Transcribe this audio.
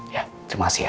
ya terima kasih ya